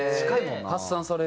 発散されるんだ。